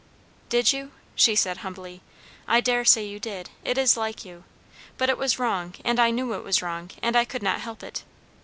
"Did you?" she said humbly. "I daresay you did. It is like you. But it was wrong, and I knew it was wrong, and I could not help it.